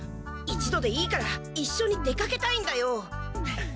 一度でいいからいっしょに出かけたいんだよ！